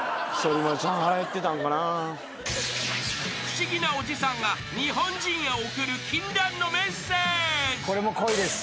［不思議なおじさんが日本人へ送る禁断のメッセージ］